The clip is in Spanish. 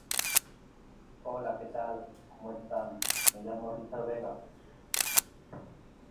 List of protected areas of Armenia